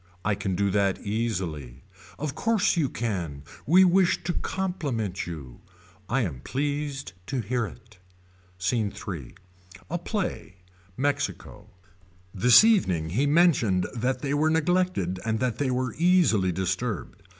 I can do that easily. Of course you can we wish to compliment you. I am pleased to hear it. SCENE III. A play. Mexico. This evening he mentioned that they were neglected and that they were easily disturbed.